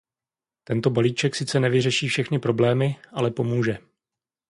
Tento balíček sice nevyřeší všechny problémy, ale pomůže.